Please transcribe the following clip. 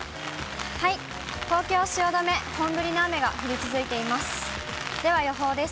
東京・汐留、本降りの雨が降り続いています。